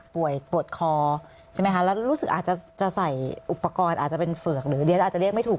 ปวดปวดคอใช่ไหมคะแล้วรู้สึกอาจจะใส่อุปกรณ์อาจจะเป็นเฝือกหรือเรียนอาจจะเรียกไม่ถูก